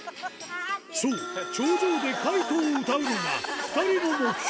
そう頂上で『カイト』を歌うのが２人の目標